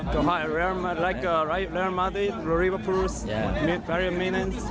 ครับก็คือเลอร์มัดริสหรือฮัวไลย์ฟอรูสอะไรอย่างนั้น